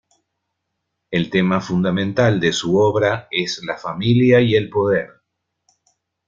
El tema fundamental de su obra es la familia y el poder.